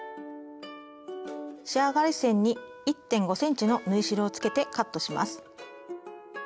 仕上がり線に１．５ｃｍの縫い代をつけてカットします。